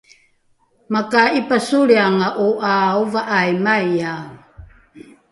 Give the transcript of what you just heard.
maka’ipasolrianga’o ’a ova’aimaiae